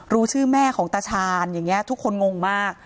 รู้ชื่อแม่ของตาชาญอย่างนี้ทุกคนงงมาก